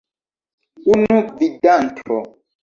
Unu gvidanto!